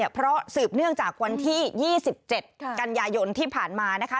เพราะสืบเนื่องจากวันที่๒๗กันยายนที่ผ่านมานะคะ